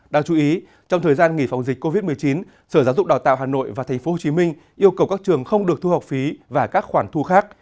đáng chú ý trong thời gian nghỉ phòng dịch covid một mươi chín sở giáo dục đào tạo hà nội và tp hcm yêu cầu các trường không được thu học phí và các khoản thu khác